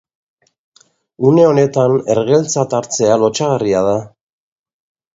Une honetan, ergeltzat hartzea lotsagarria da.